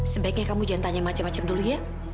sebaiknya kamu jangan tanya macam macam dulu ya